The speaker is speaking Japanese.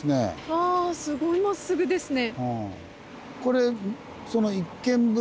わあすごいまっすぐですね。